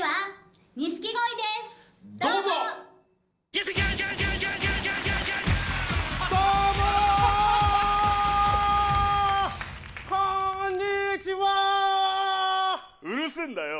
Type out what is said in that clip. うるせぇんだよ。